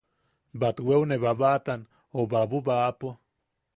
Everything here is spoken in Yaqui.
Batweune babaʼatan o babubaʼapo.